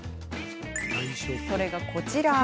それが、こちら。